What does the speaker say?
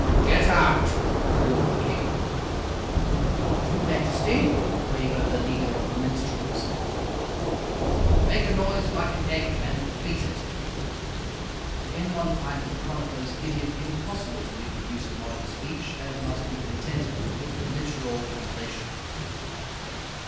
"_ "Get out!" roared the King. "Your Majesty?" quavered the leader of the minstrels. "Make a noise like an egg and beat it!" (Again one finds the chronicler's idiom impossible to reproduce in modern speech, and must be content with a literal translation.)